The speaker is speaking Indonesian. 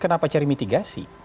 kenapa cari mitigasi